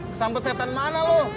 kesambet setan mana lo